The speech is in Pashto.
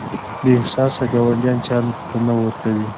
بې احساسه ګاونډیان چاته نه ورکوي.